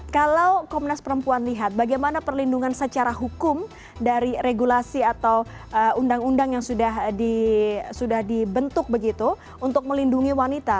kalau komnas perempuan lihat bagaimana perlindungan secara hukum dari regulasi atau undang undang yang sudah dibentuk begitu untuk melindungi wanita